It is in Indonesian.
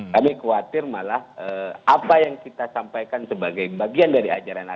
kami khawatir malah apa yang kita sampaikan sebagai bagian dari ajaran agama